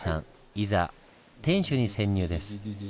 いざ天守に潜入です。